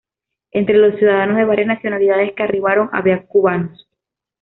Entre los ciudadanos de varias nacionalidades que arribaron, habían cubanos.